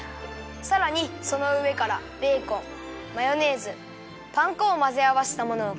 さらにそのうえからベーコンマヨネーズパン粉をまぜあわせたものをかけます。